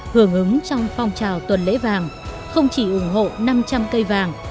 hưởng ứng trong phong trào tuần lễ vàng không chỉ ủng hộ năm trăm linh cây vàng